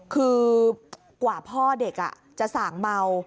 คือกว่าพ่อเด็กจะส่างเมา